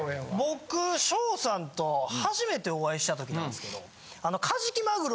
僕翔さんと初めてお会いしたときなんですけど。